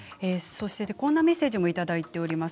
こんなメッセージもいただいております。